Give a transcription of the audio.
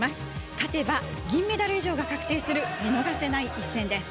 勝てば銀メダル以上が確定する見逃せない一戦です。